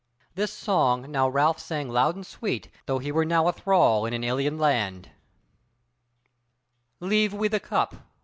This song now Ralph sang loud and sweet, though he were now a thrall in an alien land: Leave we the cup!